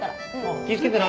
気ぃ付けてな。